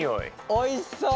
おいしそう。